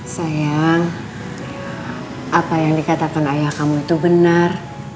sayang apa yang dikatakan ayah kamu itu benar